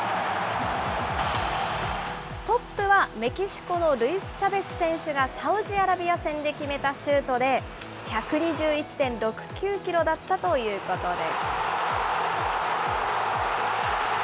トップはメキシコのルイス・チャベス選手がサウジアラビア戦で決めたシュートで、１２１．６９キロだったということです。